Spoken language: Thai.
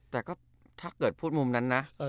แต่ก็ถ้าเกิดพูดมุมนั้นนะ